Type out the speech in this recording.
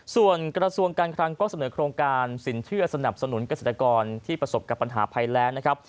ส่วนกระทรวงการคลังก็เสนอโครงการสินเชื่อสนับสนุนเกษตรกรที่ประสบกับปัญหาภัยแรงนะครับ